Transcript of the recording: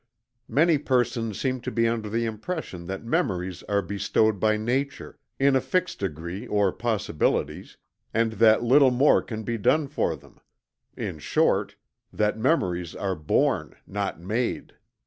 Many persons seem to be under the impression that memories are bestowed by nature, in a fixed degree or possibilities, and that little more can be done for them in short, that memories are born, not made.